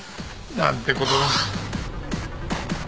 なんてことだ。